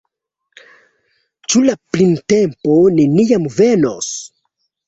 Ĉu la printempo neniam venos?